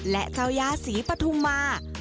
และเจ้าย่าศรีปฐุมา